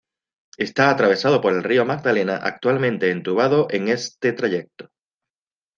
Está atravesado por el río Magdalena, actualmente entubado en este trayecto.